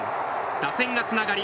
打線がつながり